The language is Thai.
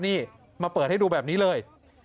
นี่มาเปิดให้ดูแบบนี้เลย